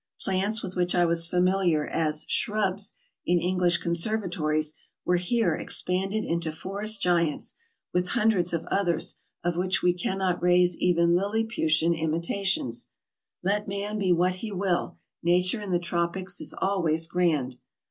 Plants with which I was familiar as shrubs in English conservatories were here expanded into forest giants, with hundreds of others of which we cannot raise even Liliputian imitations. Let man be what he will, nature in the tropics is always grand.